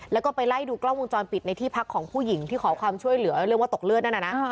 แล้วก็ไปไล่ดูกล้องวงจรปิดในที่พักของผู้หญิงที่ขอความช่วยเหลือเรื่องว่าตกเลือดนั่นน่ะนะ